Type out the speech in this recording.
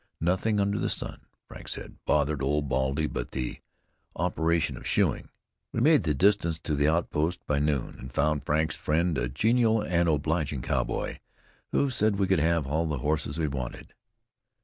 Nothing under the sun, Frank said, bothered Old Baldy but the operation of shoeing. We made the distance to the outpost by noon, and found Frank's friend a genial and obliging cowboy, who said we could have all the horses we wanted.